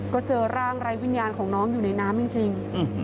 ก็เจอร่างไร้วิญญาณของน้องอยู่ในน้ำจริง